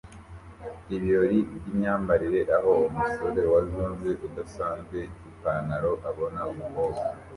ibirori by'imyambarire aho umusore wa zombie udasanzwe Ipanaro abona umukobwa